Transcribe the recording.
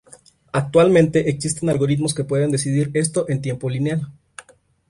Actualmente existen algoritmos que pueden decidir esto en tiempo lineal.